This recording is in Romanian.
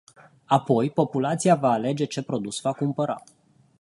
Apoi, populația va alege ce produs va cumpăra.